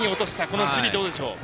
この守備、どうでしょう。